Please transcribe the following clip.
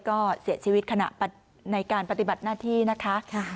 ก็เสียชีวิตขณะในการปฏิบัติหน้าที่นะคะ